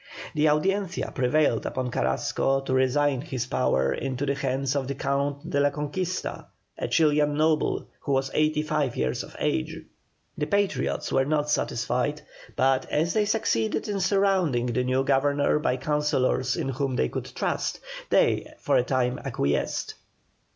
The Audiencia prevailed upon Carrasco to resign his power into the hands of the Count de la Conquista, a Chilian noble, who was eighty five years of age. The Patriots were not satisfied, but as they succeeded in surrounding the new Governor by councillors in whom they could trust, they for a time acquiesced.